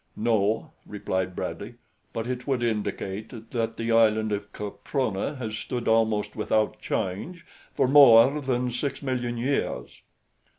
"No," replied Bradley; "But it would indicate that the island of Caprona has stood almost without change for more than six million years."